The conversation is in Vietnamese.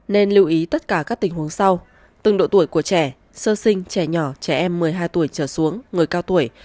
nên lưu ý tất cả các tình huống sau từng độ tuổi của trẻ sơ sinh trẻ nhỏ trẻ em một mươi hai tuổi trở xuống người cao tuổi